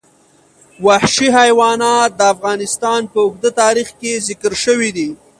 وحشي حیوانات د افغانستان په اوږده تاریخ کې ذکر شوي دي.